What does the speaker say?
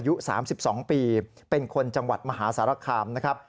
อายุ๓๒ปีเป็นคนจังหวัดมหาสารคามนะครับ